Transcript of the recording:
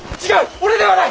俺ではない！